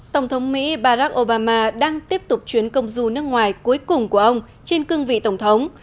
tổng thống mỹ barack obama đang tiếp tục chuyến công du nước ngoài cuối cùng của ông trên cương vị tổng thống